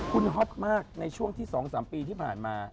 คุณฮอตมากในช่วงที่๒๓ปีที่ผ่านมา